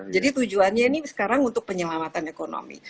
jadi tujuannya ini sekarang untuk penyelamatan ekonomi